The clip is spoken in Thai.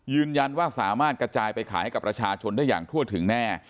ยืนยันว่าสามารถกระจายไปขายให้กับประชาชนได้อย่างทั่วถึงแน่